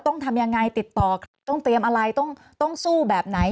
ต้องทำยังไงติดต่อต้องเตรียมอะไรต้องสู้แบบไหน